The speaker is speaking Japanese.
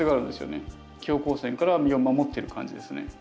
強光線から身を守ってる感じですね。